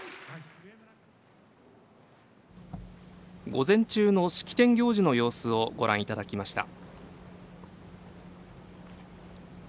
午前中の式典行事の様子をご覧いただきました。